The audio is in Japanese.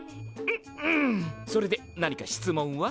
それで何か質問は？